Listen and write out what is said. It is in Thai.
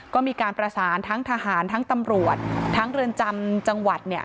ก็มีการประสานทั้งทหารทั้งตำรวจทั้งเรือนจำจังหวัด